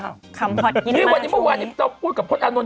คำพอดกินมากทุกวันนี้พี่วันนี้เมื่อวันนี้ต้องพูดกับพ่อตานนท์